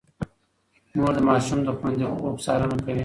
مور د ماشوم د خوندي خوب څارنه کوي.